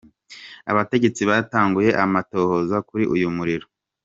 Abategetsi batanguye amatohoza kuri uyo muriro.